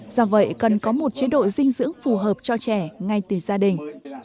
do vậy cần có một chế độ dinh dưỡng phù hợp cho trẻ ngay từ gia đình